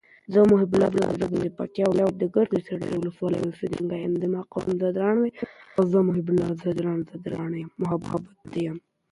هغوی ته عصري مهارتونه ور زده کړئ.